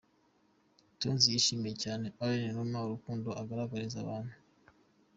Tonzi yashimiye cyane Alain Numa urukundo agaragariza abantu.